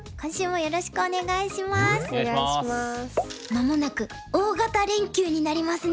間もなく大型連休になりますね。